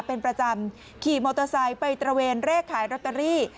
เป็นประจำขี่มอเตอร์ไซค์ไปตระเวนเลขขายลอตเตอรี่